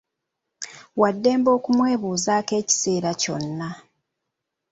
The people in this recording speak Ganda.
Wa ddembe okumwebuuzaako ekiseera kyonna.